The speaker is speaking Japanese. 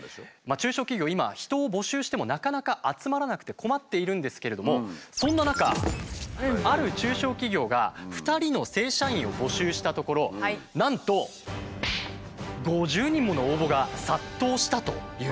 中小企業今人を募集してもなかなか集まらなくて困っているんですけれどもそんな中ある中小企業が２人の正社員を募集したところなんと５０人もの応募が殺到したというんですね。